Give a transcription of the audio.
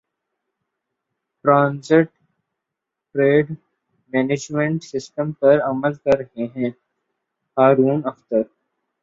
transit trade management system پر عمل کر رہے ہیں ہارون اختر